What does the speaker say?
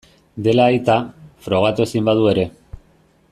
Dela aita, frogatu ezin badu ere.